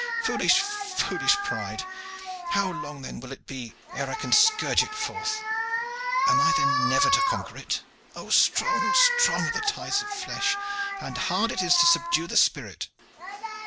"Foolish, foolish pride! How long then will it be ere I can scourge it forth? Am I then never to conquer it? Oh, strong, strong are the ties of flesh, and hard it is to subdue the spirit!